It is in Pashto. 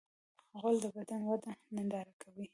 غول د بدن وده ننداره کوي.